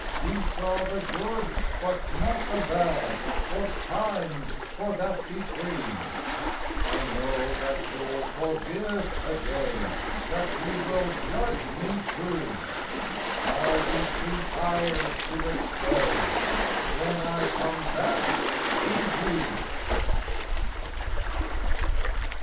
You saw the good, but not the bad, Was kind, for that between. I know that you'll forgive again That you will judge me true; I'll be too tired to explain When I come back to you.